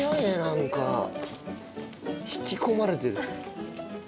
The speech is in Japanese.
引き込まれてる。